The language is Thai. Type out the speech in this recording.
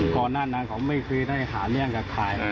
ก่อนหน้านั้นเขาไม่เคยได้หาเรื่องกับใคร